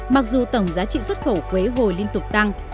mặc dù tổng giá trị xuất khẩu quế hồi liên tục tăng